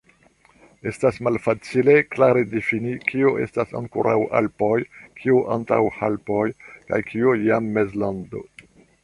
Estas malfacile klare difini, kio estas ankoraŭ Alpoj, kio Antaŭalpoj kaj kio jam Mezlando.